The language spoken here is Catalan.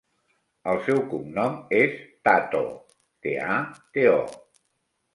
El seu cognom és Tato: te, a, te, o.